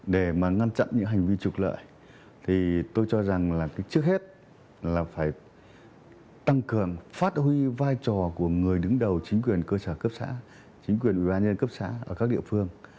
để mà ngăn chặn những hành vi trục lợi thì tôi cho rằng là trước hết là phải tăng cường phát huy vai trò của người đứng đầu chính quyền cơ sở cấp xã chính quyền ủy ban nhân cấp xã ở các địa phương